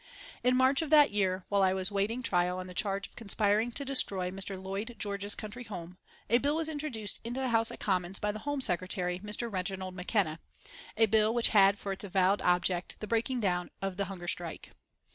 In March of that year, while I was waiting trial on the charge of conspiring to destroy Mr. Lloyd George's country house, a bill was introduced into the House of Commons by the Home Secretary, Mr. Reginald McKenna, a bill which had for its avowed object the breaking down of the hunger strike.